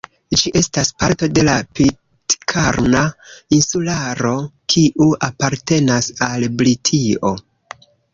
Ĝi estas parto de la Pitkarna Insularo, kiu apartenas al Britio.